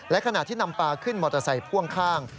และขณะที่นำปลาขึ้นมอเตอร์ไซค์พ่วงข้าง